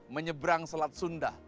menyeberang selat sunda